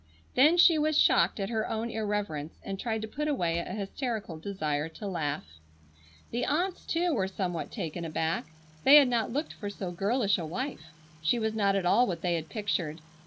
Then she was shocked at her own irreverence and tried to put away a hysterical desire to laugh. The aunts, too, were somewhat taken aback. They had not looked for so girlish a wife. She was not at all what they had pictured.